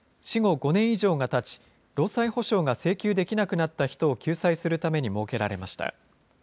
死後５年以上がたち、労災補償が請求できなくなった人を救済するために設けられました。